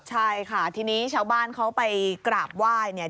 ใช่ค่ะที่นี่ชาวบ้านเขาไปกราบไหว้